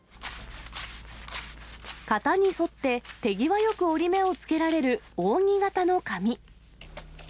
型に沿って手際よく折り目をつけられる扇形の紙。